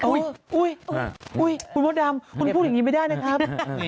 อุ๊ยอุ๊ยอุ๊ยคุณมดดำคุณพูดอย่างนี้ไม่ได้นะครับ